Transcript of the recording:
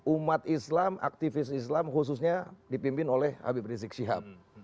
umat islam aktivis islam khususnya dipimpin oleh habib rizik syihab